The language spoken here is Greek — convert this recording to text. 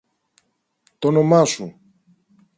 Τ' όνομα σου!